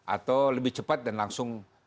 atau lebih cepat dan langsung